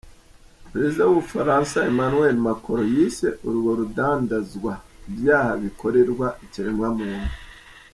Prezida w'Ubufaransa Emmanuel Macron yise urwo rudandazwa "Ivyaha bikorerwa ikiremwa muntu".